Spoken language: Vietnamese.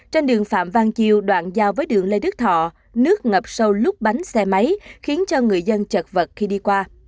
trên đường phạm văn chiêu đoạn giao với đường lê đức thọ nước ngập sâu lúc bánh xe máy khiến cho người dân chật vật khi đi qua